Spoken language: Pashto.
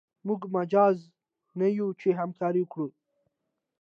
موږ مجاز نه یو چې همکاري وکړو.